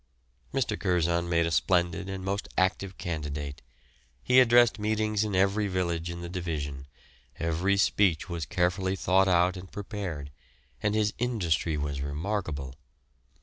Mr. Curzon made a splendid and most active candidate. He addressed meetings in every village in the division, every speech was carefully thought out and prepared, and his industry was remarkable.